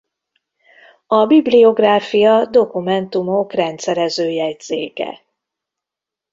A bibliográfia dokumentumok rendszerező jegyzéke.